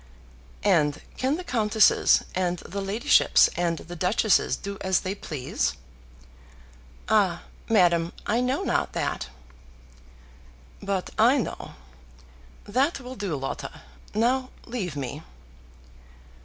"And can the countesses, and the ladyships, and the duchesses do as they please?" "Ah, madame; I know not that." "But I know. That will do, Lotta. Now leave me."